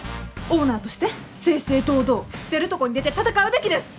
オーナーとして正々堂々出るとこに出て戦うべきです！